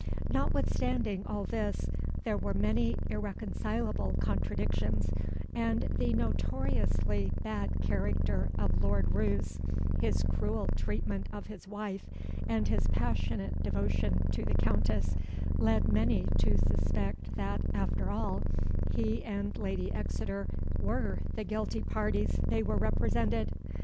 Notwithstanding all this, there were many irreconcileable contradictions, and the notoriously bad character of Lord Roos, his cruel treatment of his wife, and his passionate devotion to the Countess, led many to suspect that, after all, he and Lady Exeter were the guilty parties they were represented.